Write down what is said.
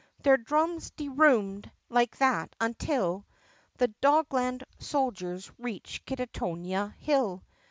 Their drums de roomed like that until The Dogland soldiers reached Kittonia Hill.